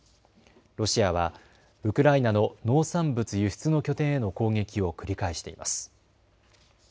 ロシアはウクライナの農産物輸出の拠点への攻撃を繰り返しています。